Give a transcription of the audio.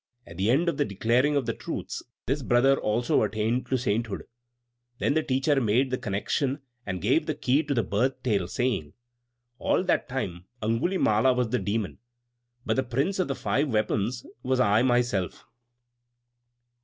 At the end of the declaring of the Truths, this Brother also attained to sainthood. Then the Teacher made the connexion, and gave the key to the birth tale, saying: "At that time Angulimala was the Demon, but the Prince of the Five Weapons was I myself."